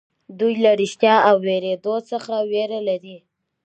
دوی له رښتيا اورېدو څخه وېره لري.